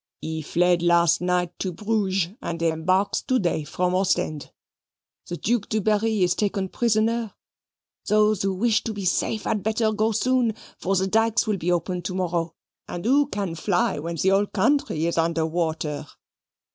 "He fled last night to Bruges, and embarks today from Ostend. The Duc de Berri is taken prisoner. Those who wish to be safe had better go soon, for the dykes will be opened to morrow, and who can fly when the whole country is under water?"